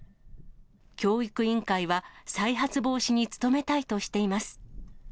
教育委員会は再発防止に努めたいとしています。